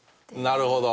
なるほど。